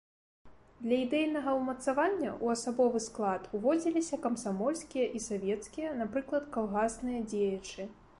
Для ідэйнага ўмацавання ў асабовы склад уводзіліся камсамольскія і савецкія, напрыклад, калгасныя дзеячы.